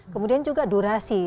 kemudian juga durasi